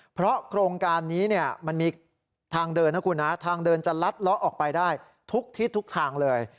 เพราะโครงการนี้เนี่ยมันมีทางเดินนะคุณนะทางเดินจะลัดเลาะออกไปได้ทุกทิศทุกทางเลย